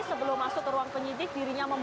sedang terus dilakukan penyidikan